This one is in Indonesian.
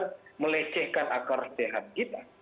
benar benar melecehkan akar sehat kita